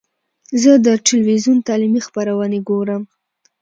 زه د ټلویزیون تعلیمي خپرونې ګورم.